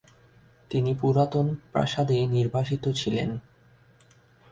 তিনি পুরাতন প্রাসাদে নির্বাসিত ছিলেন।